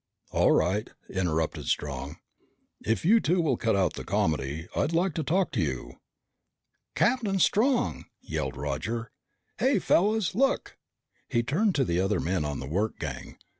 "All right," interrupted Strong. "If you two will cut out the comedy, I'd like to talk to you." "Captain Strong!" yelled Roger. "Hey, fellas! Look!" He turned to the other men on the work gang.